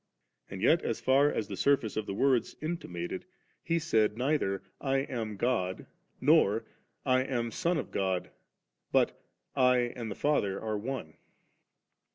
And yet, as far as tfM smfMC of the words intimated, He said neither ' I am God,' nor * I am Son of God,' but * I and the Father are One.'